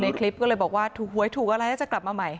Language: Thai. ในคลิปก็เลยบอกว่าถูกอะไรจะกลับมาใหม่